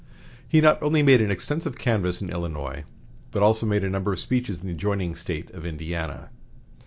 He not only made an extensive canvass in Illinois, but also made a number of speeches in the adjoining State of Indiana.